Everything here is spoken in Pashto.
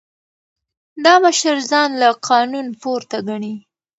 دا مشر ځان له قانون پورته ګڼي.